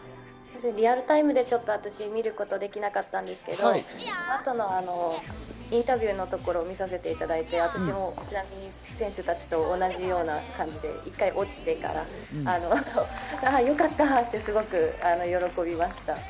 リアルタイムでちょっと私、見ることできなかったんですけど、後のインタビューのところを見させていただいて、私も知那美選手たちと同じような感じで１回落ちてから、ああ、よかったってすごく喜びました。